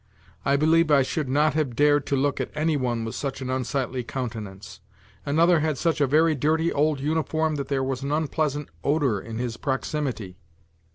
I believe I should not have dared to look at any one with such an unsightly countenance. Another had such a very dirty old uniform that there was an unpleasant odour in his proximity.